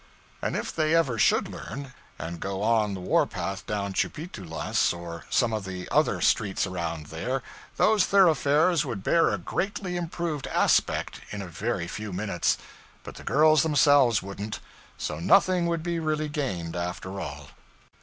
And if they ever should learn, and should go on the war path down Tchoupitoulas or some of those other streets around there, those thoroughfares would bear a greatly improved aspect in a very few minutes. But the girls themselves wouldn't; so nothing would be really gained, after all.